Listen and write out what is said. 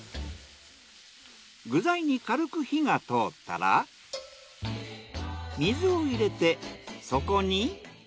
具材に軽く火が通ったら水を入れてそこに。